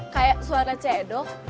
kayak suara cedok